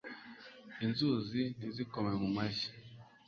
Inzuzi nizikome mu mashyi